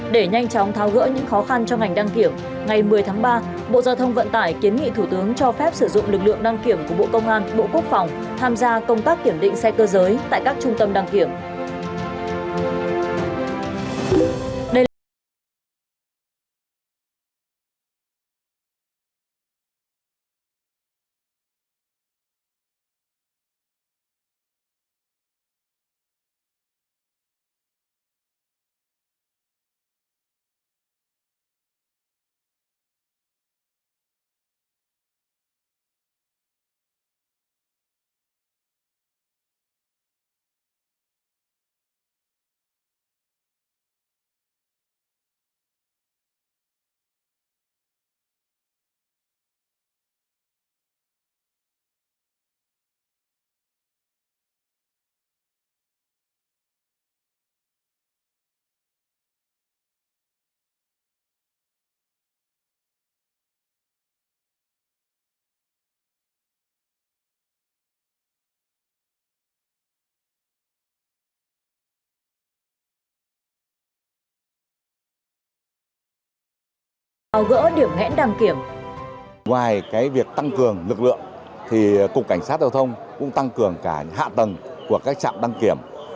để nhanh chóng tháo gỡ những khó khăn trong ngành đăng kiểm ngày một mươi tháng ba bộ giao thông vận tải kiến nghị thủ tướng cho phép sử dụng lực lượng đăng kiểm của bộ công an bộ quốc phòng tham gia công tác kiểm định xe cơ giới tại các trung tâm đăng kiểm